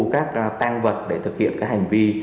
các tan vật để thực hiện các hành vi